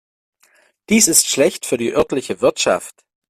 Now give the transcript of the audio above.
Dies ist schlecht für die örtliche Wirtschaft.